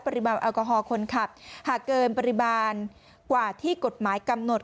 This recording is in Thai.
รวัติปริบาลล์แอลกอฮอล์คนขับหากเกินปริบานกว่าที่กฎหมายกำหนด